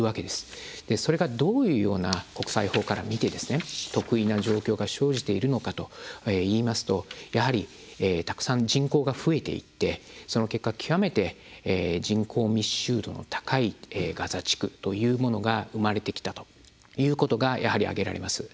それがどういうような国際法から見て特異な状況が生じているのかといいますとやはりたくさん人口が増えていってその結果極めて人口密集度の高いガザ地区というものが生まれてきたということがやはり挙げられます。